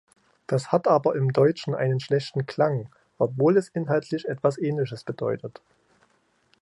Das hat aber im Deutschen einen schlechten Klang, obwohl es inhaltlich etwas Ähnliches bedeutet.